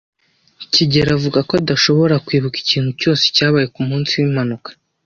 kigeli avuga ko adashobora kwibuka ikintu cyose cyabaye ku munsi w'impanuka.